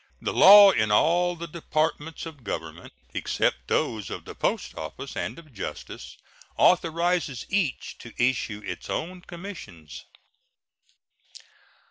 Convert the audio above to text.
The law in all the Departments of Government, except those of the Post Office and of Justice, authorizes each to issue its own commissions.